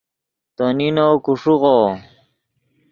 تو نینو کو ݰیغو